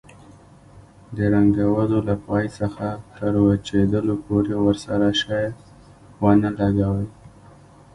د رنګولو له پای څخه تر وچېدلو پورې ورسره شی ونه لګوئ.